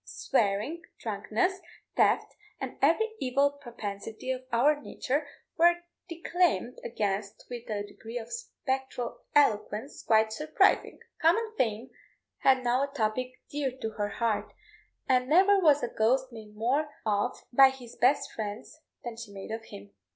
Swearing, drunkenness, theft, and every evil propensity of our nature, were declaimed against with a degree of spectral eloquence quite surprising. Common fame had now a topic dear to her heart, and never was a ghost made more of by his best friends than she made of him.